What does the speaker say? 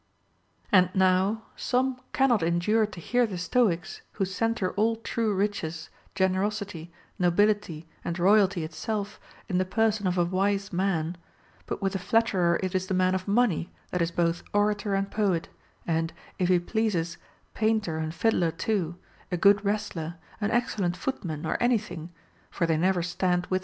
16. And now some cannot endure to hear the Stoics, who centre all true riches, generosity, nobility, and royalty itself in the person of a wise man ; but with the flatterer it is the man of money that is both orator and poet, and, if he pleases, painter and fiddler too, a good wrestler, an excellent footman, or any thing, for they never stand with FROM A FRIEND.